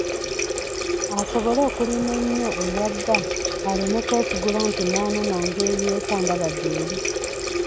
Asobole okulima ennyo ewa bba aleme kwesigula nti naanonanga ey’eka ndaba gy'eri.